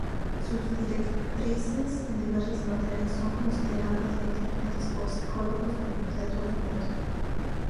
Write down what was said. Sus directrices en diversas materias son consideradas influyentes por psicólogos de todo el mundo.